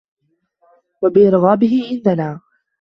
وَبِإِرْغَابِهِ إنْ دَنَا